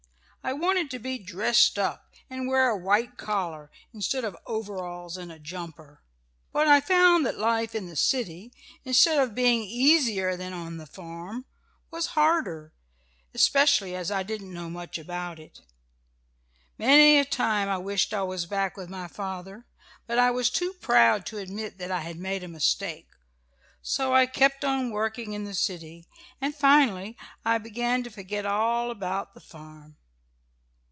I wanted to be dressed up, and wear a white collar instead of overalls and a jumper. "But I found that life in the city, instead of being easier than on the farm, was harder, especially as I didn't know much about it. Many a time I wished I was back with my father, but I was too proud to admit that I had made a mistake. So I kept on working in the city, and finally I began to forget all about the farm.